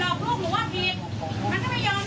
เออหนูสอนแล้วแต่ลูกหนูมันเป็นแบบนี้